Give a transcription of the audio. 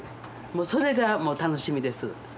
もうそれが楽しみです。